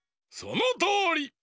そのとおり！